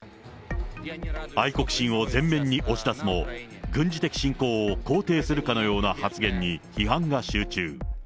愛国心を前面に押し出すも、軍事的侵攻を肯定するかのような発言に批判が集中。